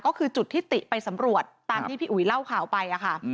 ก็คือจุดที่ติไปสำรวจตามที่พี่อุ๋ยเล่าข่าวไปค่ะ